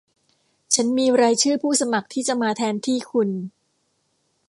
ฉันมีรายชื่อผู้สมัครที่จะมาแทนที่คุณ